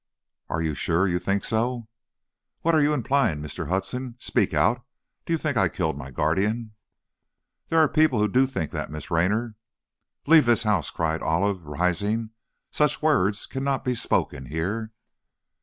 "Are you sure you think so?" "What are you implying, Mr. Hudson? Speak out! Do you think I killed my guardian?" "There are people that do think that, Miss Raynor." "Leave this house!" cried Olive, rising. "Such words can not be spoken here!"